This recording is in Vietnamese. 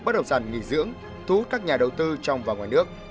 bất động sản nghỉ dưỡng thú các nhà đầu tư trong và ngoài nước